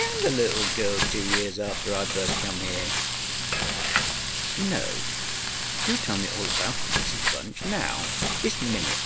and the little girl, two years after I first come here? ŌĆØ ŌĆ£No. Do tell me all about them, Mrs BunchŌĆönow, this minute!